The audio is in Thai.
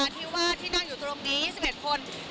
ที่นั่งอยู่ตรงนี้๑๑คน